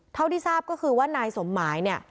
เท่าที่ทราบก็คือว่านายสมหมายเนี่ย